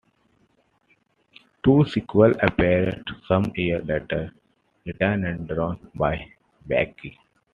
Two sequels appeared some years later, written and drawn by Baikie.